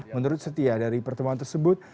menurut setia dari pertemuan tersebut